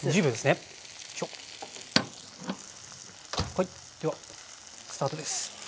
はいではスタートです。